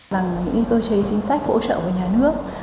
bằng những cơ chế chính sách hỗ trợ của nhà nước